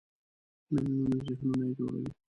د میلیونونو ذهنونه یې جوړوي.